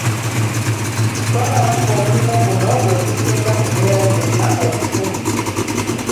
Twalaba ng'omulimo guno gwe gusinga emirala gyonna obukulu.